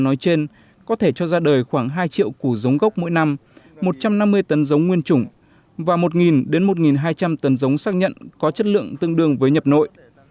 nói trên có thể cho ra đời khoảng hai triệu củ giống gốc mỗi năm một trăm năm mươi tấn giống nguyên chủng và một đến một hai trăm linh tấn giống xác nhận có chất lượng tương đương với nhập nội